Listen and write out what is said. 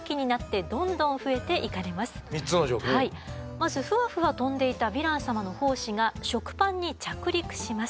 まずふわふわ飛んでいたヴィラン様の胞子が食パンに着陸します。